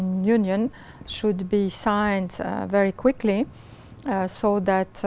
dựa dựa dựa dựa